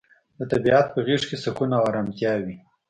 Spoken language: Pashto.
د طبیعت په غیږ کې سکون او ارامتیا وي.